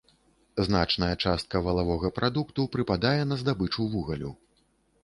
Значная частка валавога прадукту прыпадае на здабычу вугалю.